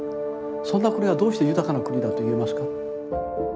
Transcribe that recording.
そんな国がどうして豊かな国だと言えますか？